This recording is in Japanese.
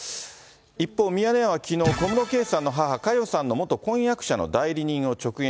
一方、ミヤネ屋はきのう、小室圭さんの母、佳代さんの元婚約者の代理人を直撃。